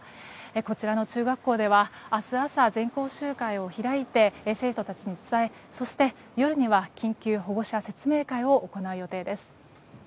こちらの中学校では明日朝全校集会を開いて生徒たちに伝えそして夜には緊急保護者説明会を行う予定です。